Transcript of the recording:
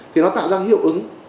thì nó tạo ra hiệu ứng